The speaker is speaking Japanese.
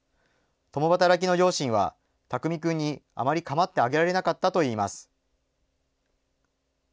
共働きの両親は巧君にあまりかまってあげられなかったといいます。